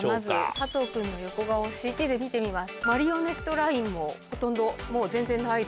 佐藤君の横顔をＣＴで見てみます。